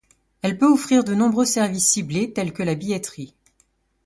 Elle peut offrir de nombreux services ciblés tels que la billetterie.